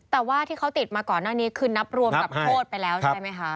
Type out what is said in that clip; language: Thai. แต่ว่าที่เขาติดมาก่อนหน้านี้คือนับรวมกับโทษไปแล้วใช่ไหมคะ